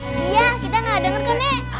iya kita nggak denger nek